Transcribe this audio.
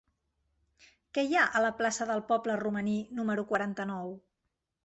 Què hi ha a la plaça del Poble Romaní número quaranta-nou?